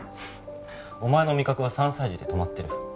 お前の味覚は３歳児で止まってる